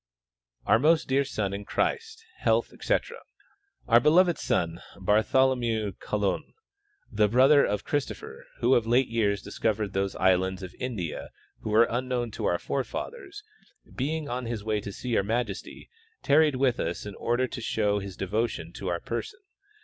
Our most dear son in Christ, health, etc : Our beloved son, Bartholomew Colum, the brother of Christopher, who of late years discovered those islands of India which were unknown to our forefathers, being on his way to see your majesty, tarried with us in order to show his devotion to our person.